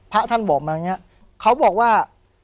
พระท่านบอกมาอย่างนี้เขาบอกว่า